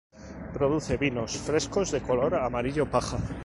Produce vinos frescos de color amarillo paja.